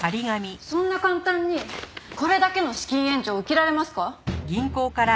そんな簡単にこれだけの資金援助を受けられますか？